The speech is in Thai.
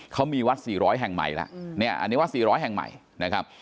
เขามีวัดสี่ร้อยแห่งใหม่ล่ะอืมเนี่ยอันนี้วัดสี่ร้อยแห่งใหม่นะครับ